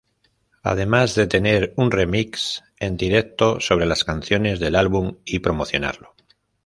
Además de tener un remix en directo sobre las canciones del álbum y promocionarlo.